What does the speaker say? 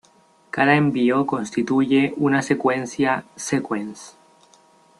Cada envío constituye una secuencia "sequence".